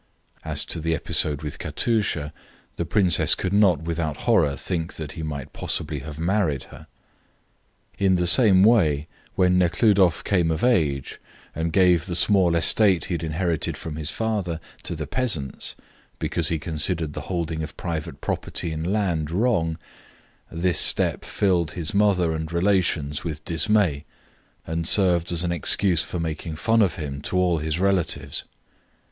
(As to the episode with Katusha, the princess could not without horror think that he might possibly have married her.) In the same way, when Nekhludoff came of age, and gave the small estate he had inherited from his father to the peasants because he considered the holding of private property in land wrong, this step filled his mother and relations with dismay and served as an excuse for making fun of him to all his relatives.